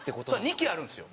２機あるんですよ。